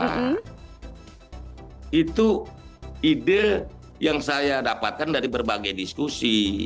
nah itu ide yang saya dapatkan dari berbagai diskusi